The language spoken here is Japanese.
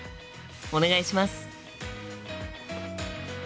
お願いします。